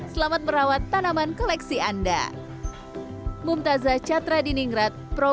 selamat merawat tanaman koleksi anda